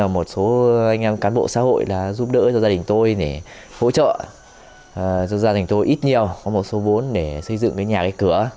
một số anh em cán bộ xã hội là giúp đỡ cho gia đình tôi để hỗ trợ cho gia đình tôi ít nhiều có một số vốn để xây dựng cái nhà cái cửa